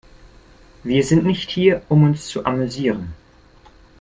Wir sind nicht hier, um uns zu amüsieren.